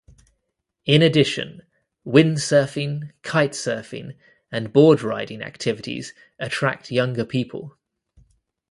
In addition, windsurfing, kite-surfing and board-riding activities attract younger people.